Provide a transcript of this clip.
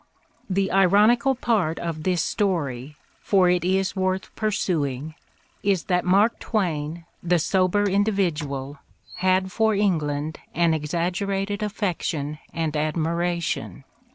The ironical part of this story — for it is worth pur suing — is that Mark Twain, the sober individual, had for England an exaggerated affection and admiration.